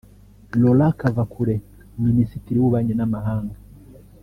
Laurent Kavakure Minisitiri w’Ububanyi n’amahanga